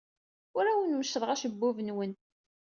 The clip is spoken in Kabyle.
Ur awen-meccḍeɣ acebbub-nwen.